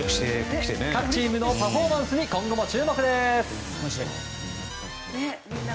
各チームのパフォーマンスに今後も注目です。